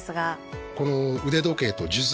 この腕時計と数珠